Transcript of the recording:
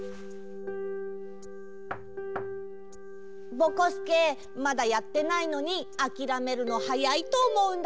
ぼこすけまだやってないのにあきらめるのはやいとおもうんだけど。